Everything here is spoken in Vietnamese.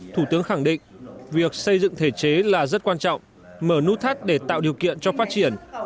thủ tướng khẳng định việc xây dựng thể chế là rất quan trọng mở nút thắt để tạo điều kiện cho phát triển